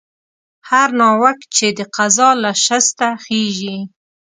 هر ناوک چې د قضا له شسته خېژي